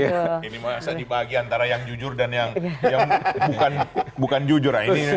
ini masa dibagi antara yang jujur dan yang bukan jujur